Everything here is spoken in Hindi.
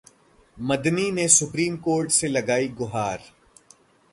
मदनी ने सुप्रीम कोर्ट से लगाई गुहार